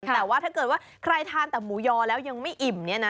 แต่ว่าถ้าเกิดว่าใครทานแต่หมูยอแล้วยังไม่อิ่มเนี่ยนะ